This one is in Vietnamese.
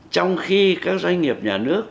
trong khi các doanh nghiệp nhà nước